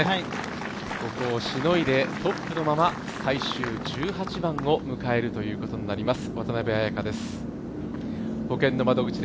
ここをしのいでトップのまま最終１８番を迎えるということになります